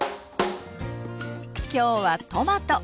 今日はトマト！